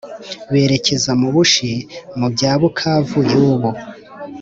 berekeza mu bushi(mu bya bukavu y'ubu).